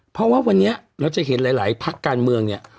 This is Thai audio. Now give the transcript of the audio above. เพราะว่าวันนี้เราจะเห็นหลายพักการเมืองเนี่ย